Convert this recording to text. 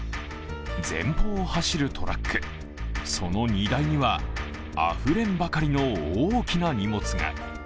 前方を走るトラック、その荷台にはあふれんばかりの大きな荷物が。